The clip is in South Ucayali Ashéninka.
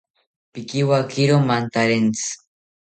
Pikiwakiro mantarentzi